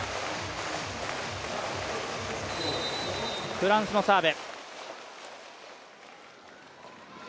フランスのサーブ。